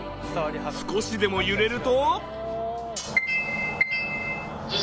少しでも揺れると。